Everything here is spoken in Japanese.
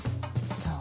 さあ。